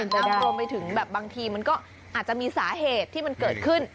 แต่รวมไปถึงแบบบางทีมันก็อาจจะมีสาเหตุที่มันเกิดขึ้น